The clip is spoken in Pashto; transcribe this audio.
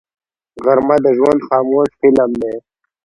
غرمه د ژوند خاموش فلم دی